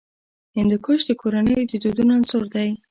هندوکش د کورنیو د دودونو عنصر دی.